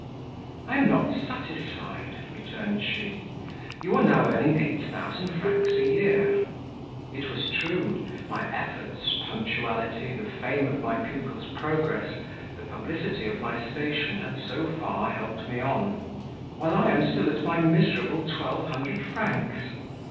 "I am not satisfied," returned she: "you are now earning eight thousand francs a year" (it was true; my efforts, punctuality, the fame of my pupils' progress, the publicity of my station, had so far helped me on), "while I am still at my miserable twelve hundred francs.